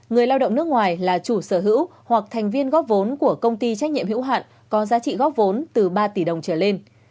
người lao động nước ngoài là chủ sở hữu hoặc thành viên góp vốn của công ty trách nhiệm hữu hạn có giá trị góp vốn từ ba tỷ đồng trở lên